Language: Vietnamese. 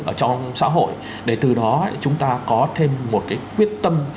ở trong xã hội để từ đó chúng ta có thêm một cái quyết tâm